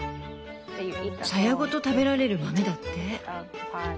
サヤごと食べられる豆だって。